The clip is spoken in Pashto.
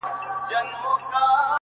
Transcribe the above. نو به په هغه ورځ کيسه د بېوفا واخلمه”